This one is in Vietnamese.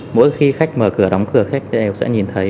mỗi khi khách mở cửa đóng cửa khách sẽ nhìn thấy